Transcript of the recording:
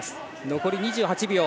残り２８秒。